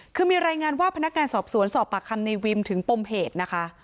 คือมีรายงานว่าพนักงานสอบสวนสอบปากคำในวิมถึงปมเหตุนะคะ